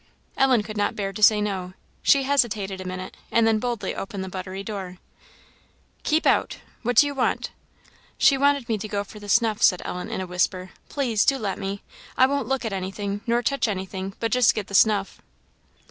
Ellen could not bear to say no. She hesitated a minute, and then boldly opened the buttery door. "Keep out! what do you want?" "She wanted me to go for the snuff," said Ellen, in a whisper; "please, do let me I won't look at anything, nor touch anything, but just get the snuff."